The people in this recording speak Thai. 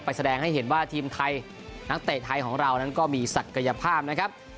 แสดงให้เห็นว่าทีมไทยนักเตะไทยของเรานั้นก็มีศักยภาพนะครับ